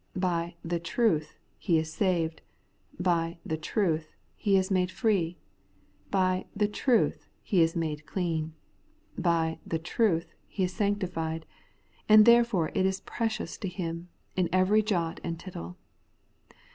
By the trfth he is saved ; by THE TRUTH he is made free ; by the truth he is made clean ; by the truth he is sanctified ; and therefore it is precious to him, in every jot and tittle.